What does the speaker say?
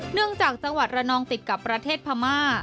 เนื่องจากจังหวัดระนองติดกับประเทศพม่า